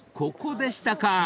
ここでしたか］